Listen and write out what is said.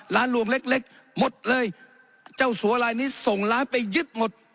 ลวงเล็กเล็กหมดเลยเจ้าสัวลายนี้ส่งร้านไปยึดหมด